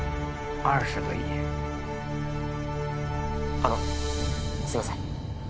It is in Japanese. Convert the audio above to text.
あのすいません。